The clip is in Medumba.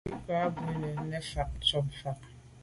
Nku boa mbu ke bèn nefà’ tshob fà’.